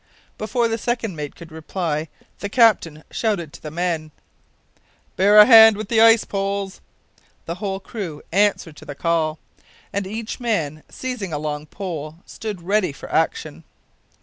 Before the second mate could reply the captain shouted to the men to "Bear a hand with the ice poles." The whole crew answered to the call, and each man, seizing a long pole, stood ready for action.